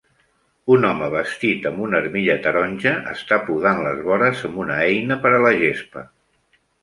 Un home, vestit amb una armilla taronja està podant les vores amb una eina per a la gespa.